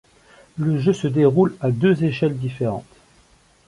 Le jeu se déroule à deux échelles différentes.